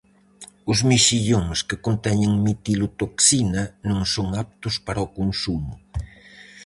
Os mexillóns que conteñen mitilotoxina non son aptos para o consumo.